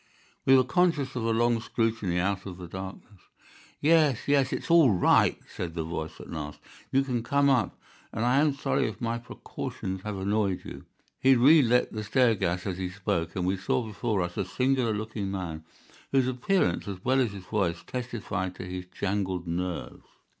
We were conscious of a long scrutiny out of the darkness. "Yes, yes, it's all right," said the voice at last. "You can come up, and I am sorry if my precautions have annoyed you." He relit the stair gas as he spoke, and we saw before us a singular looking man, whose appearance, as well as his voice, testified to his jangled nerves.